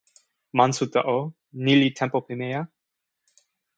monsuta o, ni li tenpo pimeja.